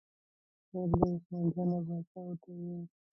خیر دی، عثمان جان باچا ورته وویل.